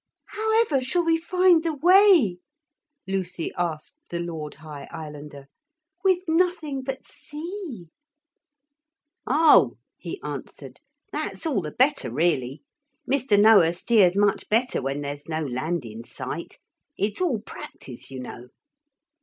'However shall we find the way,' Lucy asked the Lord High Islander, 'with nothing but sea?' 'Oh,' he answered, 'that's all the better, really. Mr. Noah steers much better when there's no land in sight. It's all practice, you know.'